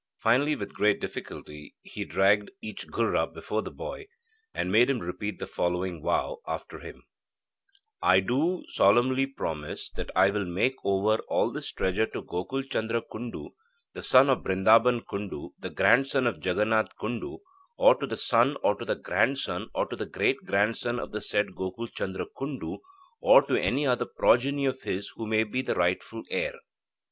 Finally, with great difficulty he dragged each ghurra before the boy and made him repeat the following vow after him: 'I do solemnly promise that I will make over all this treasure to Gokul Chandra Kundu, the son of Brindaban Kundu, the grandson of Jaganath Kundu, or to the son or to the grandson or to the great grandson of the said Gokul Chandra Kundu, or to any other progeny of his who may be the rightful heir.'